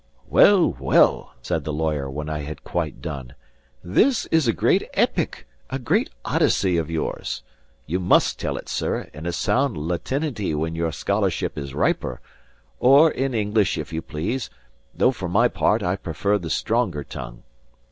"Well, well," said the lawyer, when I had quite done, "this is a great epic, a great Odyssey of yours. You must tell it, sir, in a sound Latinity when your scholarship is riper; or in English if you please, though for my part I prefer the stronger tongue.